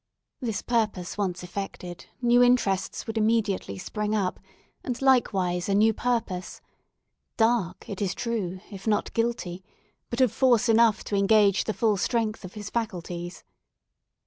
This purpose once effected, new interests would immediately spring up, and likewise a new purpose; dark, it is true, if not guilty, but of force enough to engage the full strength of his faculties.